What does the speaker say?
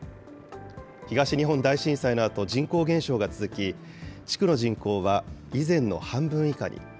東日本大震災のあと、人口減少が続き、地区の人口は以前の半分以下に。